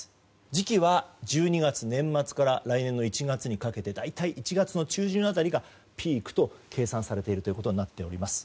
時期は１２月、年末から来年の１月にかけて大体１月の中旬辺りがピークと計算されているということになっています。